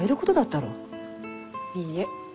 いいえ。